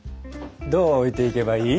どう置いていけばいい？